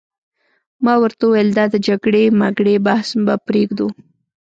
ما ورته وویل: دا د جګړې مګړې بحث به پرېږدو.